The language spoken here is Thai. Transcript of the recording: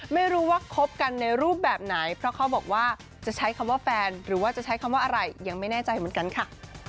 ไม่รู้ว่าคบกันในรูปแบบไหนเพราะเขาบอกว่าจะใช้คำว่าแฟนหรือว่าจะใช้คำว่าอะไรยังไม่แน่ใจเหมือนกันค่ะ